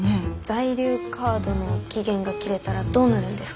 在留カードの期限が切れたらどうなるんですか？